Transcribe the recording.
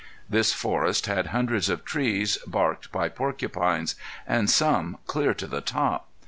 This forest had hundreds of trees barked by porcupines, and some clear to the top.